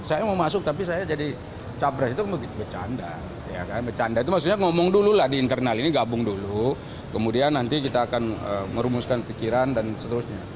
saya mau masuk tapi saya jadi capres itu bercanda bercanda itu maksudnya ngomong dulu lah di internal ini gabung dulu kemudian nanti kita akan merumuskan pikiran dan seterusnya